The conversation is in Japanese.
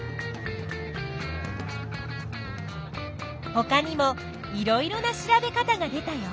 ほかにもいろいろな調べ方が出たよ。